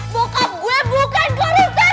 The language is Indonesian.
bokap gue bukan karakter